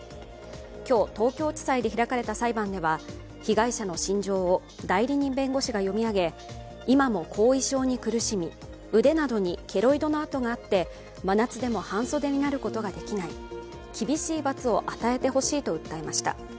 今日、東京地裁で開かれた裁判では被害者の心情を代理人弁護士が読み上げ今も後遺症に苦しみ腕などにケロイドの痕があって真夏でも半袖になることができない厳しい罰を与えてほしいと訴えました。